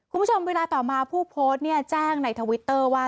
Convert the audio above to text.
คุณผู้ชมเวลาต่อมาผู้โพสต์เนี่ยแจ้งในทวิตเตอร์ว่า